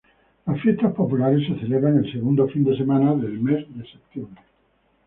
Las fiestas populares se celebran el segundo fin de semana del mes de septiembre.